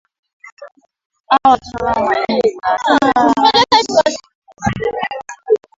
Ni eneo la kushangaza na eneo muhimu